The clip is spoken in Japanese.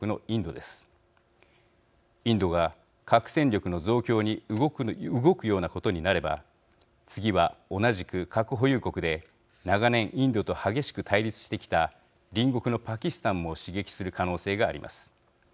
インドが核戦力の増強に動くようなことになれば次は同じく核保有国で長年インドと激しく対立してきた隣国のパキスタンも刺激する可能性があります。